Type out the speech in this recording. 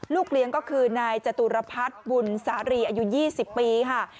เลี้ยงก็คือนายจตุรพัฒน์บุญสารีอายุ๒๐ปีค่ะ